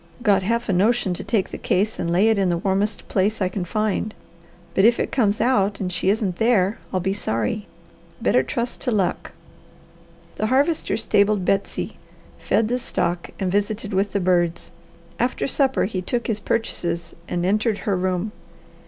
Got half a notion to take the case and lay it in the warmest place I can find. But if it comes out and she isn't there, I'll be sorry. Better trust to luck." The Harvester stabled Betsy, fed the stock, and visited with the birds. After supper he took his purchases and entered her room.